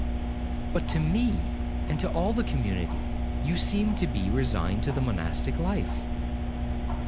'But to me, and to all the community, you seemed to be resigned to the monastic life.'